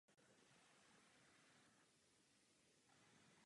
Jeho otcem byl Gerhard z Kunštátu.